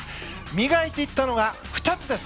磨いていったのが２つです。